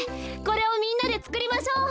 これをみんなでつくりましょう。